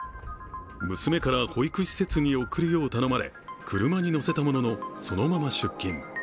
娘から保育施設に送るよう頼まれ車に乗せたもののそのまま出勤。